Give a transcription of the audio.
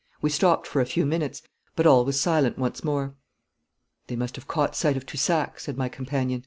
We stopped for a few minutes, but all was silent once more. 'They must have caught sight of Toussac,' said my companion.